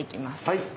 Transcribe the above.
はい。